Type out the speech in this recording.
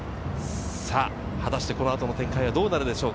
果たしてこの後の展開はどうなるでしょうか。